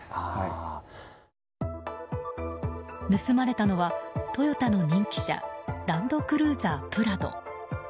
盗まれたのはトヨタの人気車ランドクルーザープラド。